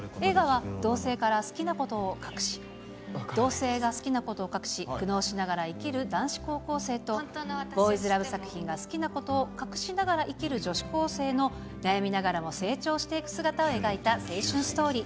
映画は同性が好きなことを隠し、苦悩しながら生きる男子高校生と、ボーイズラブ作品が好きなことを隠しながら生きる女子高生の悩みながらも成長していく姿を描いた青春ストーリー。